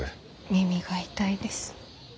耳が痛いです。